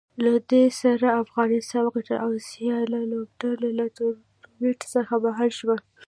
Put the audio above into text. له دې سره افغانستان وګټله او سیاله لوبډله له ټورنمنټ څخه بهر شوه